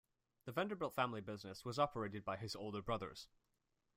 The Vanderbilt family business was operated by his older brothers.